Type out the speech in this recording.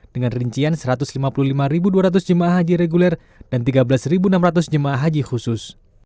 dengan rincian satu ratus lima puluh lima dua ratus jemaah haji reguler dan tiga belas enam ratus jemaah haji khusus